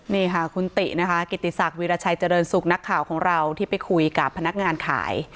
นี่ค่ะคุณตินะคะกิติศักดิราชัยเจริญสุขนักข่าวของเราที่ไปคุยกับพนักงานขาย